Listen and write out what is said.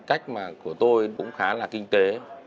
cách mà của tôi cũng khá là kinh tế